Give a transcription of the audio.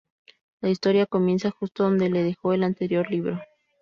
La historia comienza justo donde la dejó el anterior libro.